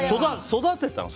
育てたの？